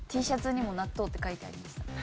Ｔシャツにも「納豆」って書いてありました。